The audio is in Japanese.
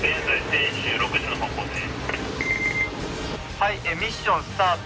はいミッションスタート。